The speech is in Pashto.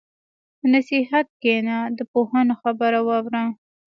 په نصیحت کښېنه، د پوهانو خبره واوره.